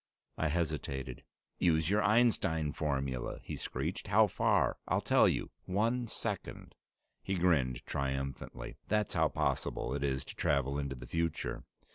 I hesitated. "Use your Einstein formula!" he screeched. "How far? I'll tell you. One second!" He grinned triumphantly. "That's how possible it is to travel into the future.